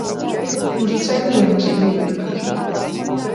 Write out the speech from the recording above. Uz ceļiem es krītu taču.